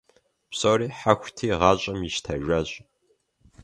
Псори хьэхути, гъащӀэм ищтэжащ.